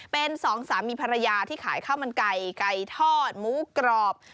เป็นสองสามีภรรยาที่ขายข้าวมันไก่ไก่ทอดหมูกรอบ